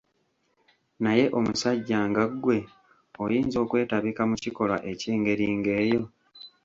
Naye omusajja nga ggwe oyinza okwetabika mu kikolwa eky'engeri ng'eyo?